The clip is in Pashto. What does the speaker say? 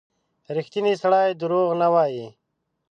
• ریښتینی سړی دروغ نه وايي.